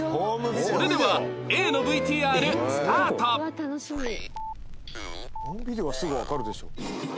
それでは Ａ の ＶＴＲ スタート「ホームビデオはすぐわかるでしょ」